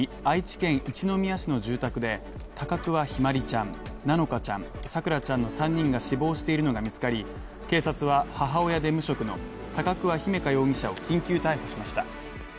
愛知県一宮市の住宅で高桑姫茉梨ちゃん、菜乃華ちゃん咲桜ちゃんの３人が死亡しているのが見つかり警察は母親で無職の高桑姫華容疑者を緊急逮捕しました。